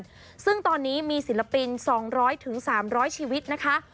ของนักสะสมผลงานซึ่งตอนนี้มีศิลปิน๒๐๐๓๐๐ชีวิตนะคะ